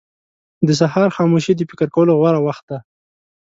• د سهار خاموشي د فکر کولو غوره وخت دی.